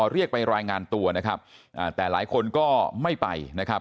เรียกไปรายงานตัวนะครับแต่หลายคนก็ไม่ไปนะครับ